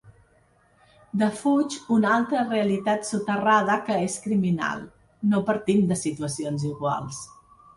Defuig una altra realitat soterrada que és criminal: no partim de situacions iguals.